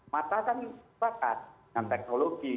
mata kan pakat dengan teknologi